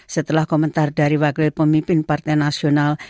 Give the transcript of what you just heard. setelah komentar dari wakil pemimpin partai nasional